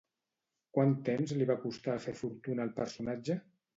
Quant temps li va costar fer fortuna al personatge?